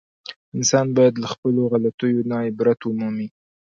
انسان باید له خپلو غلطیو نه عبرت و مومي.